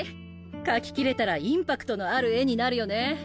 描ききれたらインパクトのある絵になるよね。